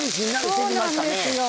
そうなんですよ。